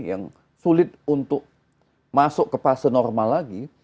yang sulit untuk masuk ke fase normal lagi